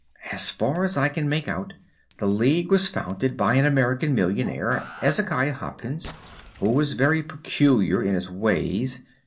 As far as I can make out, the League was founded by an American millionaire, Ezekiah Hopkins, who was very peculiar in his ways.